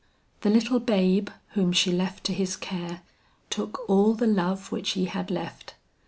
"The little babe whom she left to his care, took all the love which he had left.